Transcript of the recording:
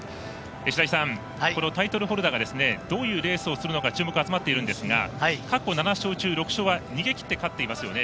白井さんタイトルホルダーがどういうレースをするのか注目が集まっているんですが過去７勝中６勝は逃げきって勝っていますよね。